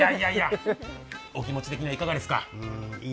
お気持ち的にはいかがですか？